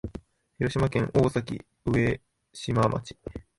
広島県大崎上島町